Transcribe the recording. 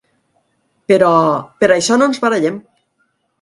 Però, per això no ens barallem.